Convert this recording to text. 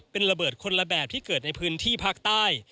เป็นระเบิดคนละแบบที่เกิดในพื้นที่ภาคใต้